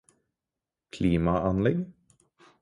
klimaanlegg